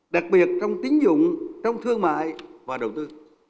đặc biệt trong tiến dụng trong thương mại và đầu tư